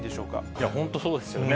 いや、本当そうですよね。